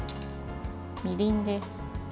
みりんです。